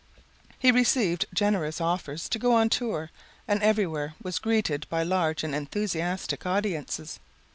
He received generous offers to go on tour and everywhere was greeted by large and enthusiastic audiences.